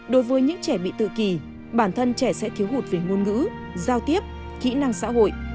đối với những trẻ bị tự kỳ bản thân trẻ sẽ thiếu hụt về ngôn ngữ giao tiếp kỹ năng xã hội